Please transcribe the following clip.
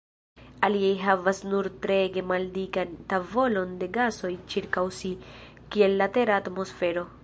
Aliaj havas nur treege maldikan tavolon de gasoj ĉirkaŭ si, kiel la Tera atmosfero.